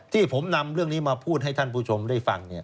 ที่ผมนำเรื่องนี้มาพูดให้ท่านผู้ชมได้ฟัง